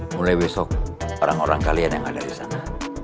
mulai besok orang orang kalian yang ada di sana